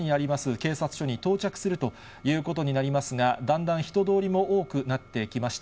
警察署に到着するということになりますが、だんだん人通りも多くなってきました。